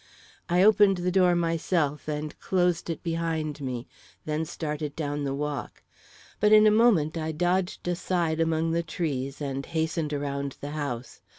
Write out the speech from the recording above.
I opened the door myself and closed it behind me, then started down the walk. But in a moment, I dodged aside among the trees and hastened around the house.